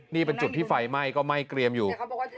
นี่เป็นจุดที่ไฟไหม้ก็ไหม้เกรียมอยู่